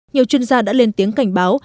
nhiều chuyên gia đã lên tiếng cảnh báo